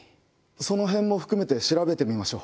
その辺も含めて調べてみましょう。